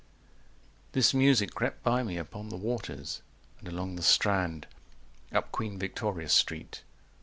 "This music crept by me upon the waters" And along the Strand, up Queen Victoria Street.